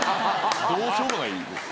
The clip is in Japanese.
どうしようもないです。